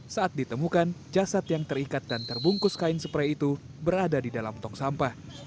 saat ditemukan jasad yang terikat dan terbungkus kain spray itu berada di dalam tong sampah